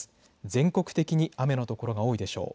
全国的に雨のところが多いでしょう。